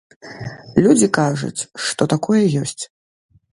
Людзі кажуць, што такое ёсць.